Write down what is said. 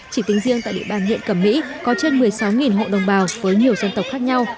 chỉ tính riêng tại địa bàn huyện cẩm mỹ có trên một mươi sáu hộ đồng bào với nhiều dân tộc khác nhau